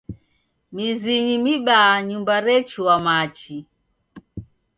Mizinyi mibaa nyumba rechua machi.